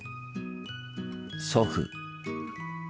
祖父。